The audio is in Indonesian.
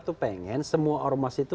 tuh pengen semua ormas itu